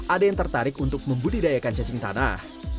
ada yang tertarik untuk membudidayakan cacing tanah